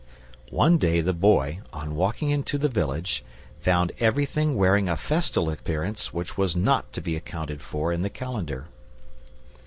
One day the Boy, on walking in to the village, found everything wearing a festal appearance which was not to be accounted for in the calendar.